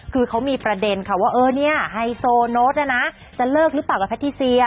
คือเขามีประเด็นค่ะไฮโซโนตนะจะเลิกหรือเปล่ากับแพทย์ที่ซี